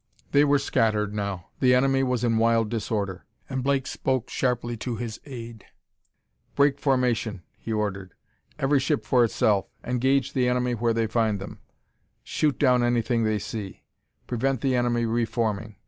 They were scattered now; the enemy was in wild disorder; and Blake spoke sharply to his aide. "Break formation," he ordered; "every ship for itself. Engage the enemy where they find them; shoot down anything they see; prevent the enemy reforming!"